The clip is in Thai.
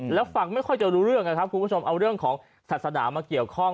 แล้วฟังไม่ค่อยจะรู้เรื่องนะครับคุณผู้ชมเอาเรื่องของศาสนามาเกี่ยวข้อง